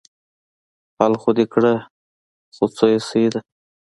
حل خو دې کړه خو څو يې صيي وه.